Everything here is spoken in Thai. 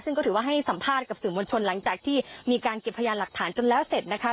ซึ่งก็ถือว่าให้สัมภาษณ์กับสื่อมวลชนหลังจากที่มีการเก็บพยานหลักฐานจนแล้วเสร็จนะคะ